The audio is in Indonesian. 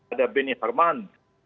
ada benny harman